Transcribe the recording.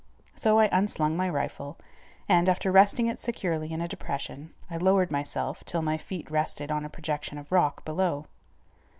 So I unslung my rifle, and, after resting it securely in a depression, I lowered myself till my feet rested on a projection of rock below.